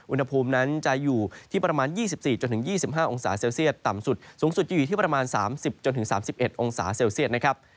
อุณหภูมินั้นจะอยู่ที่ประมาณ๒๔๒๕องศาเซลเซียตต่ำสุดสูงสุดจะอยู่ที่ประมาณ๓๐๓๑องศาเซลเซียตนะครับ